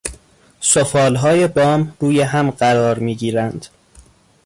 سفالهای بام روی هم قرار میگیرند.